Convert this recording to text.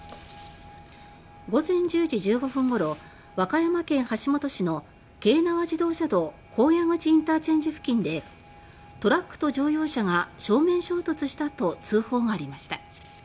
午前１０時１５分ごろ和歌山県橋本市の京奈和自動車道高野口ＩＣ付近で「トラックと乗用車が正面衝突した」と通報がありました。